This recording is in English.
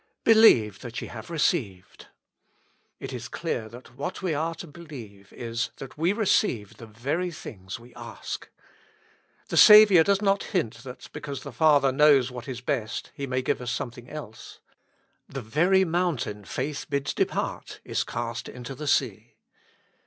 " Believe that ye have received." It is clear that what we are to believe is, that we receive the very things we ask. The Saviour does not hint that be cause the Father knows what is best He may give us something else. The very mountain faith bids depart is cast into the sea.